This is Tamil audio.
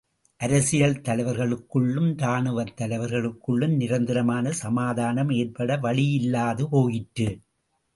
அரசியல் தலைவர்களுக்குள்ளும் ராணுவத் தலைவர்களுக்குள்ளும் நிரந்தரமான சமாதானம் ஏற்பட வழியில்லாது போயிற்று.